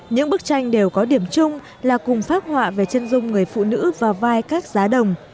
những bức tranh đều có điểm chung là cùng phát họa về chân dung người phụ nữ và vai các giá đồng